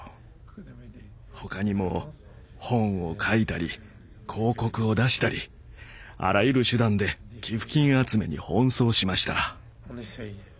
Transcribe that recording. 他にも本を書いたり広告を出したりあらゆる手段で寄付金集めに奔走しました。